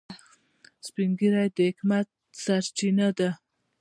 سپین ږیری د حکمت سرچینه ده